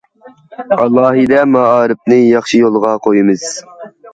ئالاھىدە مائارىپنى ياخشى يولغا قويىمىز.